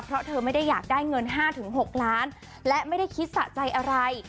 เพราะเธอไม่ได้อยากได้เงิน๕๖ล้านและไม่ได้คิดสะใจอะไร